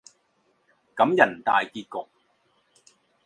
感人大結局